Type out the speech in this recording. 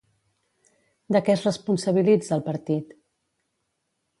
De què es responsabilitza el partit?